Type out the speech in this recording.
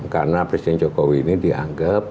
karena presiden jokowi ini dianggap